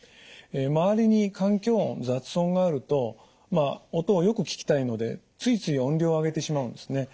周りに環境音雑音があるとまあ音をよく聞きたいのでついつい音量を上げてしまうんですね。